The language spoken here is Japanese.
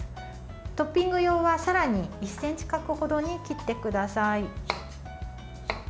トッピング用は、さらに１ｃｍ角程に切ってください。